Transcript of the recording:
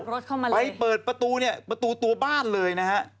ขับรถเข้ามาเลยไปเปิดประตูตัวบ้านเลย